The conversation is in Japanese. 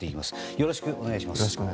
よろしくお願いします。